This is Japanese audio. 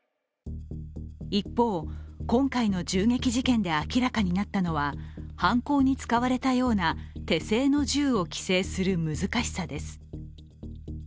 一方、今回の銃撃事件で明らかになったのは犯行に使われたような手製の銃を規制する難しさです。